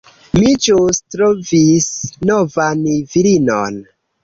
Mi ĵus trovis novan virinon.